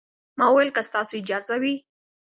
ما وويل که ستاسو اجازه وي.